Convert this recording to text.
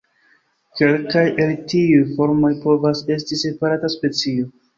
Kelkaj el tiuj formoj povas esti separata specio.